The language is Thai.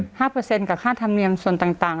ใช่ค่ะ๕เปอร์เซนต์กับค่าธรรมเนียมส่วนต่าง